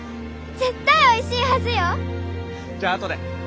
絶対おいしいはずよ！じゃあ後で。